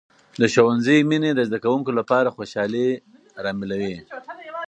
د ښوونځي مینې د زده کوونکو لپاره خوشحالي راملوي.